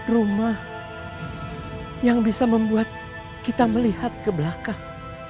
rumah yang bisa membuat kita melihat ke belakang